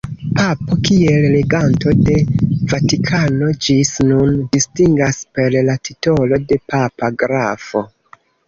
Papo, kiel reganto de Vatikano, ĝis nun distingas per la titolo de papa grafo.